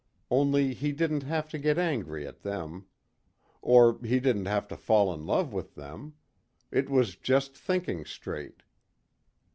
Only he didn't have to get angry at them. Or he didn't have to fall in love with them. It was just thinking straight.